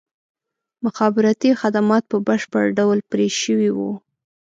مخابراتي خدمات په بشپړ ډول پرې شوي وو.